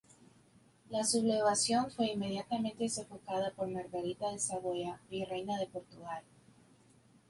La sublevación fue inmediatamente sofocada por Margarita de Saboya, virreina de Portugal.